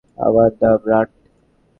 আমার নাম রাট।